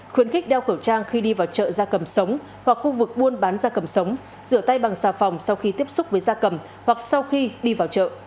khuyến khích đeo khẩu trang khi đi vào chợ da cầm sống hoặc khu vực buôn bán da cầm sống rửa tay bằng xà phòng sau khi tiếp xúc với da cầm hoặc sau khi đi vào chợ